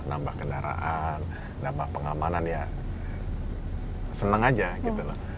nambah kendaraan nambah pengamanan ya seneng aja gitu loh